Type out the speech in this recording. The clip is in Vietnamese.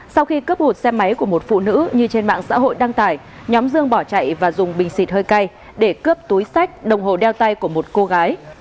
sau khi cướp một xe máy của một phụ nữ như trên mạng xã hội đăng tải nhóm dương bỏ chạy và dùng bình xịt hơi cay để cướp túi sách đồng hồ đeo tay của một cô gái